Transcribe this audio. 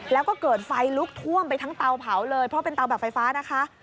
แล้วก็เกิดไฟลุกท่วมไปทั้งเตาเผาเลยเพราะเป็นเตาแบบไฟฟ้านะคะ